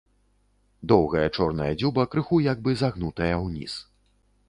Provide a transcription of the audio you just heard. Доўгая чорная дзюба крыху як бы загнутая ўніз.